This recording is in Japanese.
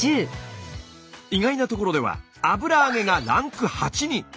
意外なところでは油揚げがランク８に。